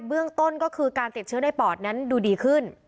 เบื้องต้นก็คือการติดเชื้อในปอดนั้นดูดีขึ้น